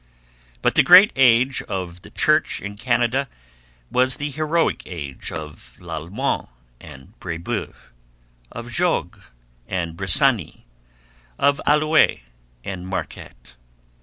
But the great age of the Church in Canada was the heroic age of Lalemant and Brebeuf, of Jogues and Bressani, of Allouez and Marquette.